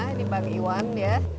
ini bang iwan ya